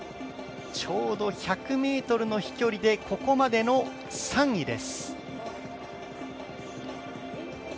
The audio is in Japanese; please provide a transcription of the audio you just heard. ちょうど１００ｍの飛距離で、ここまでの３位です。